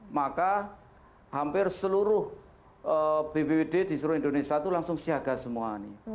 maka hampir seluruh bbwd di seluruh indonesia itu langsung siaga semua ini